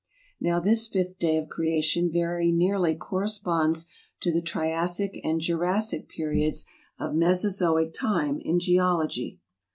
Now this fifth day of creation very nearly corresponds to the Triassic and Jurassic periods of Mesozoic Time in Geology.